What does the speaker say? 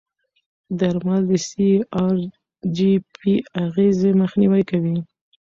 درمل د سی ار جي پي اغېزې مخنیوي کوي.